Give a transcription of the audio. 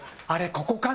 ここかな？